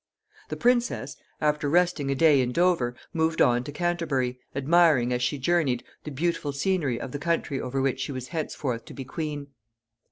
The princess, after resting a day in Dover, moved on to Canterbury, admiring, as she journeyed, the beautiful scenery of the country over which she was henceforth to be queen.